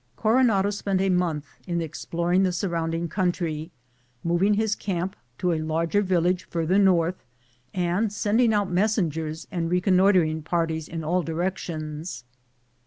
Coronado spent a month in exploring the surrounding country, moving his camp to a larger village further north, and sending out messengers and reconnoitering parties in all directions.